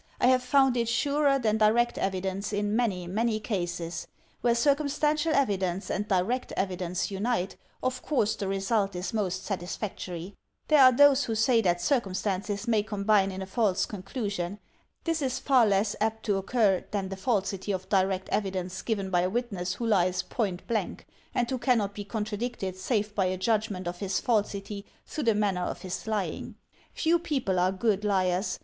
I have found it surer than direct evidence in many, many cases. Where circumstantial evidence and direct evidence unite, of course, the result is most satisfactory. There are those who say that circumstances may combine in a false conclusion. This is far less apt to occur than the falsity of direct evidence given by a witness who lies point blank, and who cannot be contradicted save by a judgment of his falsity through the manner of his lying. Few people are good liars.